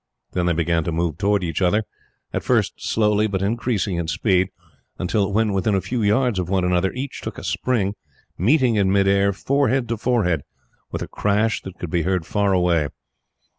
Then they began to move towards each other, at first slowly, but increasing in speed until, when within a few yards of one another, each took a spring, meeting in mid air, forehead to forehead, with a crash that could be heard far away.